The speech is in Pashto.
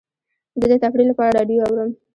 زه د تفریح لپاره راډیو اورم.